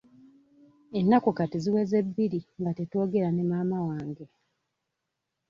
Ennaku kati ziweze bbiri nga tetwogera ne maama wange.